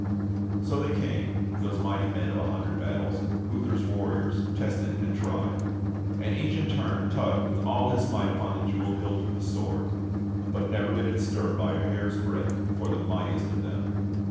So they came, those mighty men of a hundred battles, Uther's warriors tested and tried; and each in turn tugged with all his might upon the jewelled hilt of the sword, but never did it stir by a hair's breadth for the mightiest of them.